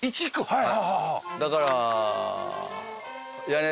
はい。